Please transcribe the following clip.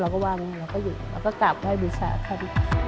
เราก็ว่านี่เราก็อยู่เราก็กลับให้บิชากัน